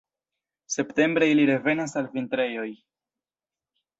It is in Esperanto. Septembre ili revenas al vintrejoj.